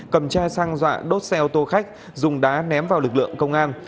cầm chai xăng dọa đốt xe ô tô khách dùng đá ném vào lực lượng công an